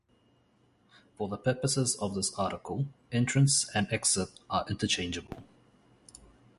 For the purposes of this article, entrance and exit are interchangeable.